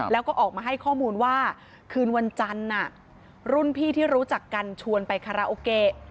แล้วก็ออกมาให้ข้อมูลว่าคืนวันจันทร์รุ่นพี่ที่รู้จักกันชวนไปคาราโอเกะ